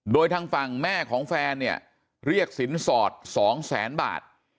โดยทางฝั่งแม่ของแฟนเนี่ยเรียกสินสอด๒แสนบาท